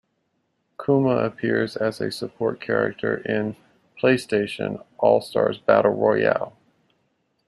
Kuma appears as a support character in "PlayStation All-Stars Battle Royale".